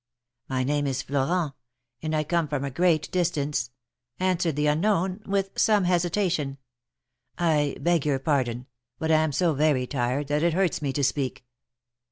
'^My name is Florent, and I come from a great distance," answered the unknown, with some hesitation. I beg your pardon, but I am so very tired that it hurts me to speak."